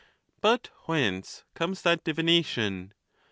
But whence comes that divination